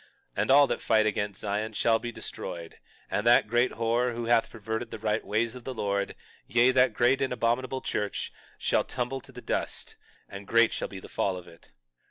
And all that fight against Zion shall be destroyed, and that great whore, who hath perverted the right ways of the Lord, yea, that great and abominable church, shall tumble to the dust and great shall be the fall of it.